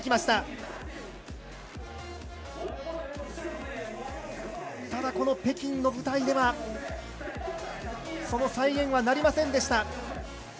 ただ、この北京の舞台ではその再演はなりませんでした。